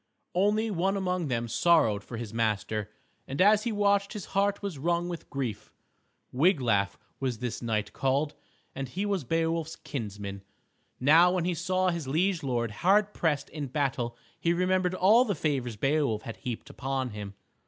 Only one among them sorrowed for his master, and as he watched his heart was wrung with grief. Wiglaf was this knight called, and he was Beowulf's kinsman. Now when he saw his liege lord hard pressed in battle he remembered all the favors Beowulf had heaped upon him.